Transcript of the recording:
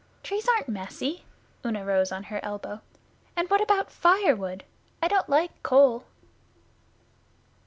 'Trees aren't messy.' Una rose on her elbow. 'And what about firewood? I don't like coal.